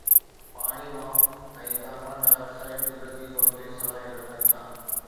پاڻي وانپ ۽ carbon dioxide قدرتي طور تي صلاحيت رکن ٿا